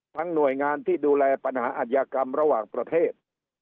หน่วยงานที่ดูแลปัญหาอัธยากรรมระหว่างประเทศ